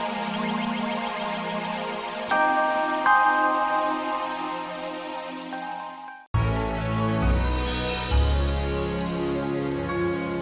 jangan lupa like share dan subscribe